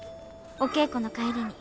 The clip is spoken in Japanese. お稽古の帰りに。